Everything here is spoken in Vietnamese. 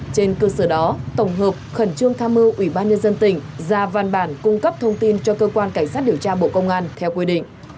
trên cơ sở đó tổng hợp khẩn trương tham mưu ủy ban nhân dân tỉnh ra văn bản cung cấp thông tin cho cơ quan cảnh sát điều tra bộ công an theo quy định